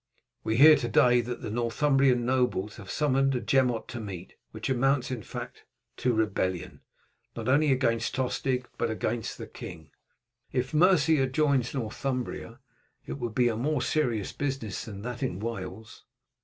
We hear to day that the Northumbrian nobles have summoned a Gemot to meet, which amounts in fact to a rebellion, not only against Tostig but against the king." "If Mercia joins Northumbria it would be a more serious business than that in Wales."